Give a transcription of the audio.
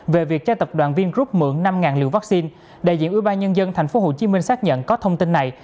về việc cho tập đoàn vingroup mượn năm liều vaccine đại diện ưu ba nhân dân tp hcm xác nhận có thông tin này